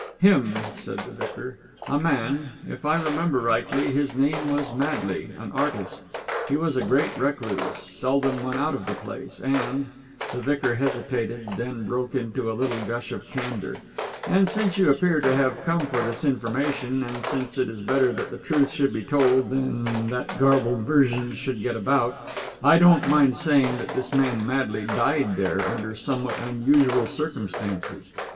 "Him," said the vicar. "A man. If I remember rightly, his name was Madley; an artist. He was a great recluse; seldom went out of the place, and " the vicar hesitated and then broke into a little gush of candour " and since you appear to have come for this information, and since it is better that the truth should be told than that garbled versions should get about, I don't mind saying that this man Madley died there, under somewhat unusual circumstances.